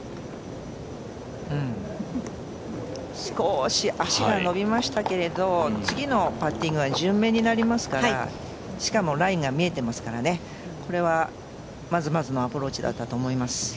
少し足が延びましたけれども、次のパッティングは順目になりますから、しかもラインが見えてますからね、まずまずのアプローチだと思います。